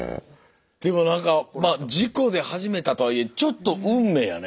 でもなんかまあ事故で始めたとはいえちょっと運命やね。